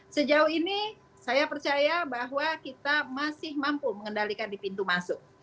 sejauh ini saya percaya bahwa kita masih mampu mengendalikan di pintu masuk